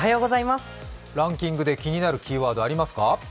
ランキングで気になるワードありますか？